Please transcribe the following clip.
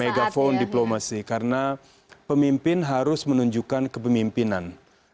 megaphone diplomacy karena pemimpin harus menunjukkan kepemimpinan